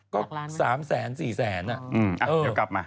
ก็๓แสน๔แสนอะ